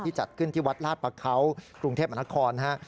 จัดขึ้นที่วัดลาดประเขากรุงเทพมหานครนะฮะ